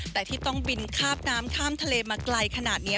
แต่ที่ต้องบินคาบน้ำข้ามทะเลมาไกลขนาดนี้